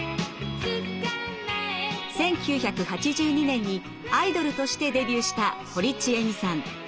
１９８２年にアイドルとしてデビューした堀ちえみさん。